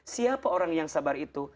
siapa orang yang sabar itu